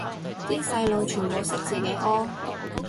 啲細路全部識自己屙